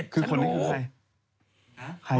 คือคนอื่นคือใคร